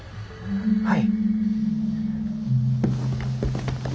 はい。